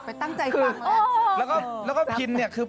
เพราะว่าใจแอบในเจ้า